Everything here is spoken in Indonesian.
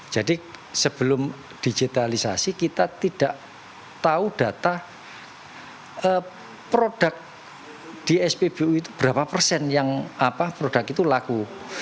jadi sebelum digitalisasi kita tidak tahu data produk di spbu itu berapa persen yang apa produk itu laku